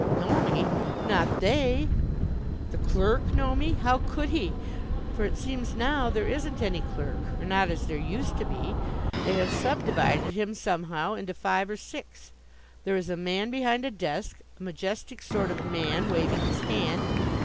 Know me? Not they. The clerk know me! How could he? For it seems now there isn't any clerk, or not as there used to be. They have subdivided him somehow into five or six. There is a man behind a desk, a majestic sort of man, waving his hand.